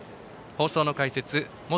放送の解説元